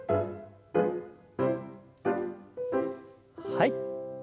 はい。